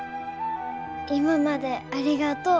今までありがとう。